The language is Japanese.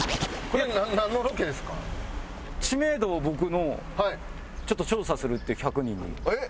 知名度を僕のちょっと調査するっていう１００人に。